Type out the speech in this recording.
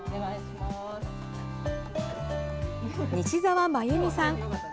西澤真由美さん。